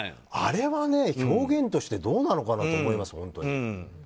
あれは表現としてどうなのかなと思います。